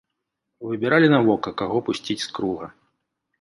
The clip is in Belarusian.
Выбіралі на вока, каго пусціць з круга.